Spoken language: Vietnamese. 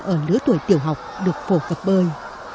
ở lứa tuổi tiểu học được phổ cập bơi